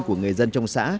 của người dân trong xã